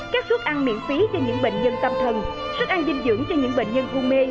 các suất ăn miễn phí cho những bệnh nhân tâm thần suất ăn dinh dưỡng cho những bệnh nhân hung mê